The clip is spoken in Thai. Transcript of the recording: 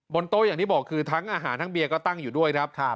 โต๊อย่างที่บอกคือทั้งอาหารทั้งเบียร์ก็ตั้งอยู่ด้วยครับ